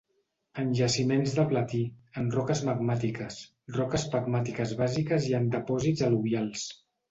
En jaciments del platí, en roques magmàtiques, roques pegmatites bàsiques i en depòsits al·luvials.